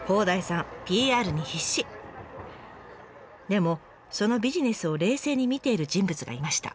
でもそのビジネスを冷静に見ている人物がいました。